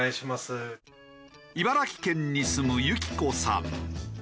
茨城県に住むゆきこさん。